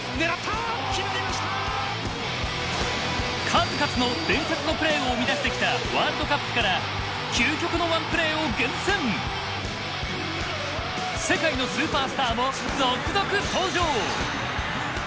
数々の伝説のプレーを生み出してきたワールドカップから世界のスーパースターも続々登場！